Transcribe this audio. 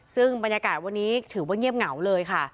ซึ่งบรรยากาศวันนี้ถือว่าเงียบเหงาเลยค่ะ